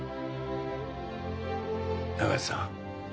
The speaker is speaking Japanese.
永瀬さん